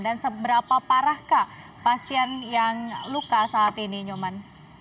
dan seberapa parahkah pasien yang luka saat ini nyoman